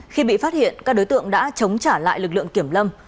khi bị phát hiện các đối tượng đã chống trả lại lực lượng kiểm lâm